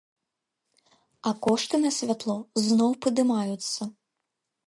А кошты на святло зноў падымаюцца!